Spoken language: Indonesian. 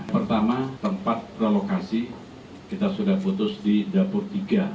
pertama tempat relokasi kita sudah putus di dapur tiga